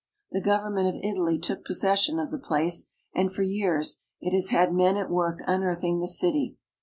The government of Italy took possession of the place, and for years it has had men at work unearthing the city.